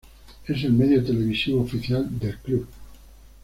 Es el medio televisivo oficial del club.